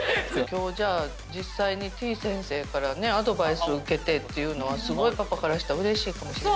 今日じゃあ実際にてぃ先生からねアドバイス受けてっていうのはすごいパパからしたらうれしいかも。